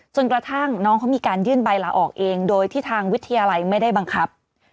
จนกระทั่งน้องเขามีการยื่นใบลาออกเองโดยที่ทางวิทยาลัยไม่ได้บังคับ